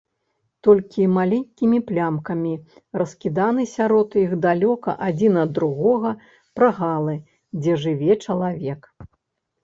Толькі маленькімі плямкамі раскіданы сярод іх, далёка адзін ад другога, прагалы, дзе жыве чалавек.